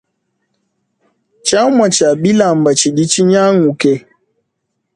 Tshiamua tshia bilamba tshidi tshinyanguke.